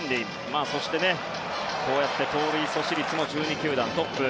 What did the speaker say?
そして、こうやって盗塁阻止率も１２球団トップ。